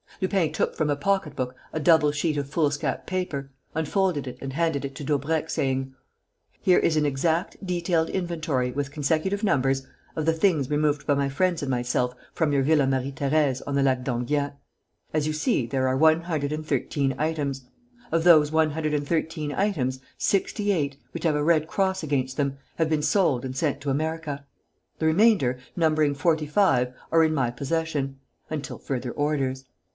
Lupin took from a pocketbook a double sheet of foolscap paper, unfolded it and handed it to Daubrecq, saying: "Here is an exact, detailed inventory, with consecutive numbers, of the things removed by my friends and myself from your Villa Marie Thérèse on the Lac d'Enghien. As you see, there are one hundred and thirteen items. Of those one hundred and thirteen items, sixty eight, which have a red cross against them, have been sold and sent to America. The remainder, numbering forty five, are in my possession ... until further orders.